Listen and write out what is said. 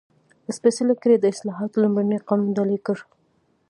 سپېڅلې کړۍ د اصلاحاتو لومړنی قانون ډالۍ کړ.